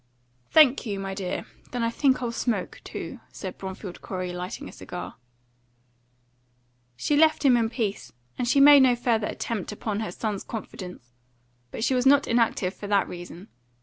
"Thank you, my dear; then I think I'll smoke too," said Bromfield Corey, lighting a cigar. She left him in peace, and she made no further attempt upon her son's confidence. But she was not inactive for that reason.